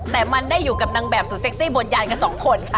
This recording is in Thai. แต่มันได้อยู่กับนางแบบสุดเซ็กซี่บนยานกันสองคน